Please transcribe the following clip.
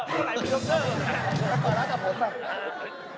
ชอบาร์เบอร์